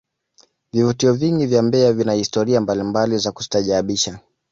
vivutio vingi vya mbeya vina historia mbalimbali za kustaajabisha